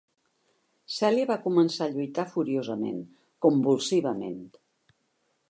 Celia va començar a lluitar furiosament, convulsivament.